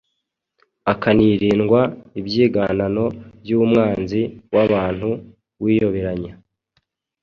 akanirindwa ibyiganano by’umwanzi w’abantu wiyoberanya.